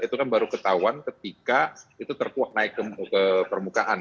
itu kan baru ketahuan ketika itu terkuat naik ke permukaan